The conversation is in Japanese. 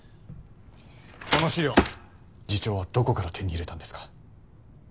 この資料次長はどこから手に入れたんですか？